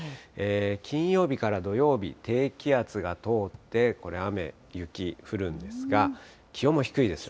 金曜日から土曜日、低気圧が通って、これ雨、雪、降るんですが、気温も低いですよ。